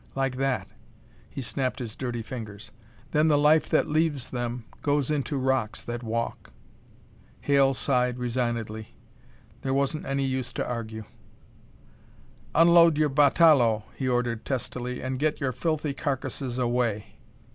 like that." He snapped his dirty fingers. "Then the life that leaves them goes into rocks that walk." Hale sighed resignedly. There wasn't any use to argue. "Unload your batalõe," he ordered testily, "and get your filthy carcasses away."